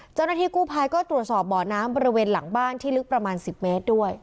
เจ้าหน้าที่กู้ภัยก็ตรวจสอบบ่อน้ำบริเวณหลังบ้านที่ลึกประมาณ๑๐เมตรด้วย